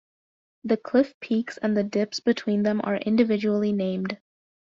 The cliff peaks and the dips between them are individually named.